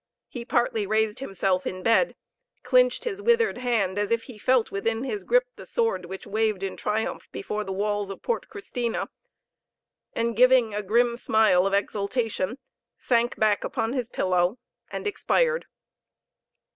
He partly raised himself in bed, clinched his withered hand as if he felt within his gripe that sword which waved in triumph before the walls of Port Christina, and giving a grim smile of exultation, sank back upon his pillow, and expired.